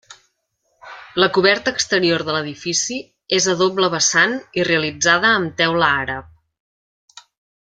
La coberta exterior de l'edifici és a doble vessant i realitzada amb teula àrab.